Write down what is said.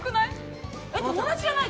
私、友達じゃない。